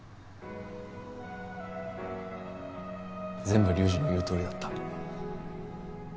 全部龍二の言うとおりだった。